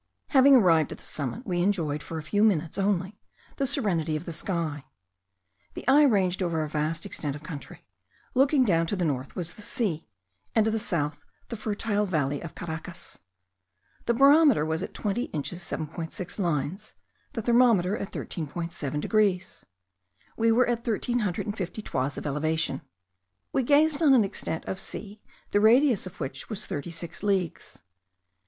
Having arrived at the summit, we enjoyed, for a few minutes only, the serenity of the sky. The eye ranged over a vast extent of country: looking down to the north was the sea, and to the south, the fertile valley of Caracas. The barometer was at 20 inches 7.6 lines; the thermometer at 13.7 degrees. We were at thirteen hundred and fifty toises of elevation. We gazed on an extent of sea, the radius of which was thirty six leagues.